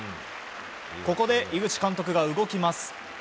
ここで井口監督が動きます。